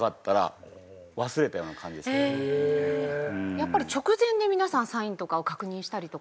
やっぱり直前で皆さんサインとかを確認したりとか。